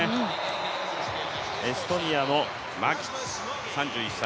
エストニアのマギ、３１歳。